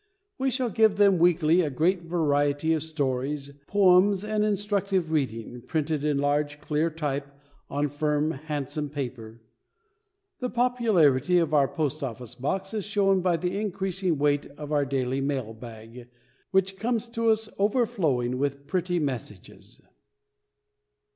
We shall give them weekly a great variety of stories, poems, and instructive reading, printed in large, clear type, on firm, handsome paper. The popularity of our Post office Box is shown by the increasing weight of our daily mail bag, which comes to us overflowing with pretty messages.